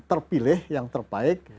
terpilih yang terbaik